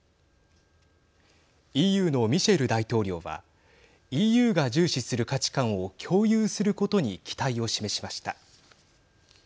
ＥＵのミシェル大統領はＥＵが重視する価値観を共有することに期待を示しました。